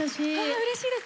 うれしいです。